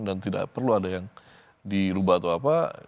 dan tidak perlu ada yang dirubah atau apa